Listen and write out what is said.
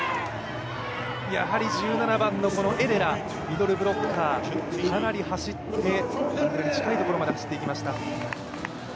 やはり１７番のエレラミドルブロッカー、かなり走って近いところまで走っていきました。